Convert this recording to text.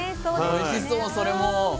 おいしそうそれも。